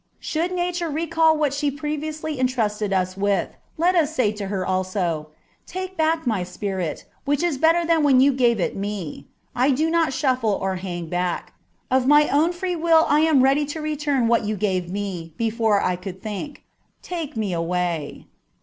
Should Nature recall what she previously en trusted us with, let us say to her also :' Take back my spirit, which is better than when you gave it me : I do not shuffie or hang back. Of my own free will I am ready to return what you gave me before I could think : take me away.'